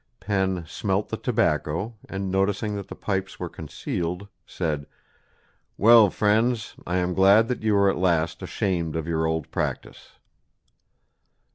Penn smelt the tobacco, and noticing that the pipes were concealed, said, "Well, friends, I am glad that you are at last ashamed of your old practice."